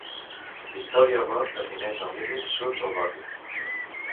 Victoria Road defineix el límit sud del barri.